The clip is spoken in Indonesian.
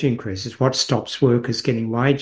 apa yang menghentikan pekerja mendapatkan peningkatan wajah